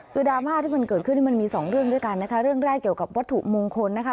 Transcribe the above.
คือดราม่าที่มันเกิดขึ้นนี่มันมีสองเรื่องด้วยกันนะคะเรื่องแรกเกี่ยวกับวัตถุมงคลนะคะ